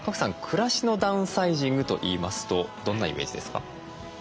暮らしのダウンサイジングといいますとどんなイメージですか？